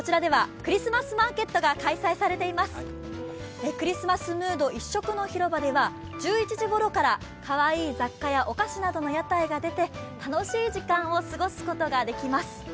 クリスマスムード一色の広場では１１時ごろからかわいい雑貨やお菓子などの屋台が出て楽しい時間を過ごすことができます。